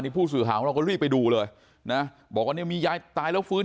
ผู้สื่อข่าวของเราก็รีบไปดูเลยนะบอกว่าเนี่ยมียายตายแล้วฟื้น